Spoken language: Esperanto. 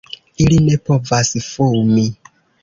Ili ne povas fumi.